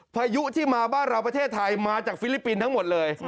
พายุที่มาบ้านเราประเทศไทยมาจากฟิลิปปินส์ทั้งหมดเลย